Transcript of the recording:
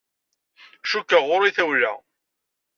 Cikkeɣ ɣur-i tawla.